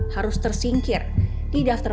harus tersingkir di daftar